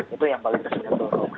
itu yang paling resmen banget